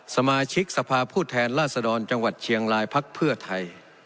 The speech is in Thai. สมาชิกสภาพผู้แทนราชดรจังหวัดเชียงรายพักเพื่อไทย